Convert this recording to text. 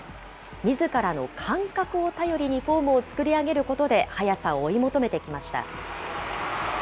みずからの感覚を頼りにフォームを作り上げることで、速さを追い求めてきました。